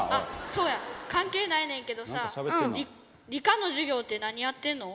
そうや関係ないねんけどさ理科の授業って何やってんの？